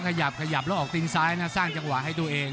ขยับขยับแล้วออกตีนซ้ายนะสร้างจังหวะให้ตัวเอง